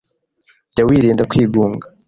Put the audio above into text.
Jya wirinda kwigunga.